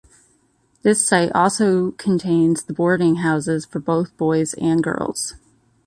This site also contains the boarding houses for both boys and girls.